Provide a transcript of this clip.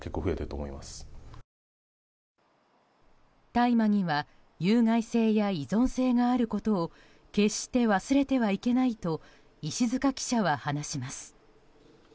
大麻には有害性や依存性があることを決して忘れてはいけないと石塚記者は話します。